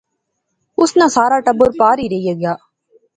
اس ناں سار ٹبر پار ہی رہی گیا